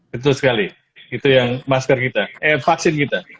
betul sekali itu yang masker kita eh vaksin kita